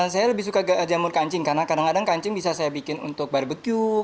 saya lebih suka jamur kancing karena kadang kadang kancing bisa saya bikin untuk barbecue